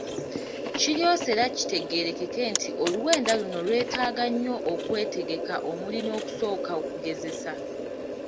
Kiryose era kitegeerekeke nti oluwenda luno lwetaaga nnyo okwetegeka omuli n’okusooka okugezesa.